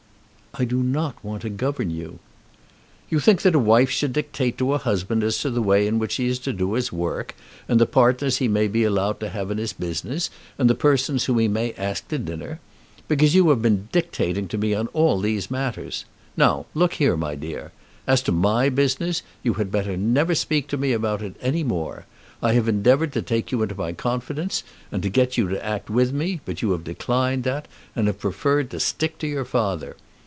"I do not want to govern you." "You think that a wife should dictate to a husband as to the way in which he is to do his work, and the partners he may be allowed to have in his business, and the persons whom he may ask to dinner! Because you have been dictating to me on all these matters. Now, look here, my dear. As to my business, you had better never speak to me about it any more. I have endeavoured to take you into my confidence and to get you to act with me, but you have declined that, and have preferred to stick to your father.